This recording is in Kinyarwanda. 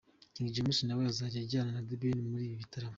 King James nawe azajya ajyana na The Ben muri ibi bitaramo.